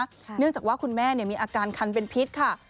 เนื่องจากว่าคุณแม่มีอาการคันเป็นพิษค่ะ